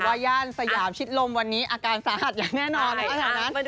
วายานสยามชิดลมวันนี้อาการสะอาดอย่างแน่นอนในประถามนั้น